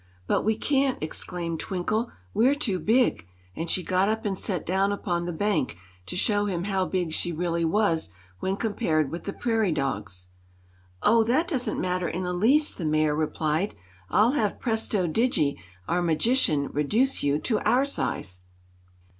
"But we can't!" exclaimed Twinkle. "We're too big," and she got up and sat down upon the bank, to show him how big she really was when compared with the prairie dogs. "Oh, that doesn't matter in the least," the Mayor replied. "I'll have Presto Digi, our magician, reduce you to our size."